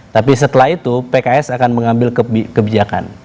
tapi setelah itu pks akan mengambil kebijakan